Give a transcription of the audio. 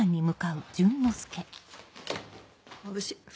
まぶしっ。